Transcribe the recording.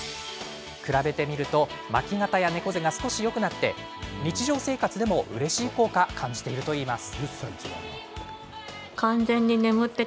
比べてみると巻き肩や猫背が少しよくなって日常生活でも、うれしい効果感じているといいます。